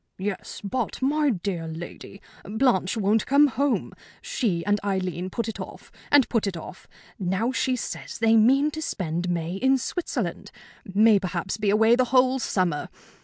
"Yes, but, my dear lady, Blanche won't come home! She and Aileen put it off, and put it off. Now she says they mean to spend May in Switzerland may perhaps be away the whole summer!